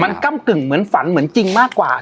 มันกั้มกึ่งเหมือนฝันถูกทำแบบจริงมากกว่า